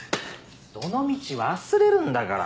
どのみち忘れるんだから。